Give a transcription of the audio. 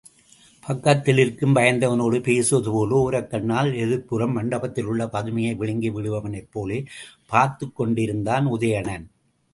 பக்கத்திலிருக்கும் வயந்தகனோடு பேசுவதுபோல ஒரக் கண்ணால் எதிர்ப்புறம் மண்டபத்தில் உள்ள பதுமையை விழுங்கி விடுபவன்போலப் பார்த்துக்கொண்டிருந்தான் உதயணன்.